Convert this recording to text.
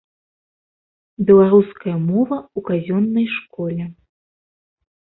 Беларуская мова ў казённай школе